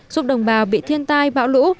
giúp đồng bào bị thiên tai bão lũ